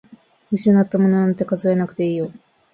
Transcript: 失ったものなんて数えなくていいよ。